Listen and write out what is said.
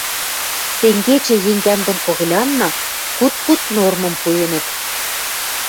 Тенгечӹ енгӓм дон когылянна куд пуд нормым пуэнӹт...